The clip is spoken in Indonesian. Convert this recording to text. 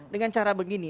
dengan cara begini